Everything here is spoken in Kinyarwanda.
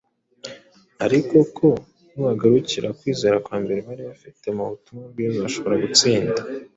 ariko ko nibagarukira kwizera kwa mbere bari bafite mu butumwa bwiza bashobora gutsinda